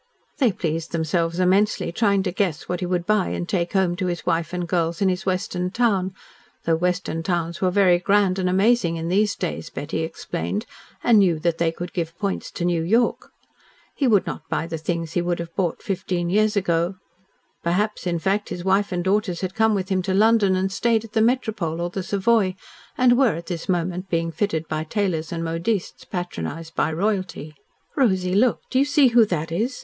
They pleased themselves immensely, trying to guess what he would buy and take home to his wife and girls in his Western town though Western towns were very grand and amazing in these days, Betty explained, and knew they could give points to New York. He would not buy the things he would have bought fifteen years ago. Perhaps, in fact, his wife and daughters had come with him to London and stayed at the Metropole or the Savoy, and were at this moment being fitted by tailors and modistes patronised by Royalty. "Rosy, look! Do you see who that is?